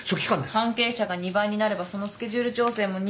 関係者が２倍になればそのスケジュール調整も２倍大変。